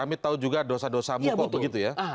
kami tahu juga dosa dosamu kok begitu ya